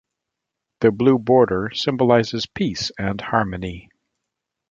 The blue border symbolizes peace and harmony.